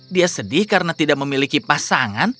dia sedih karena tidak memiliki pasangan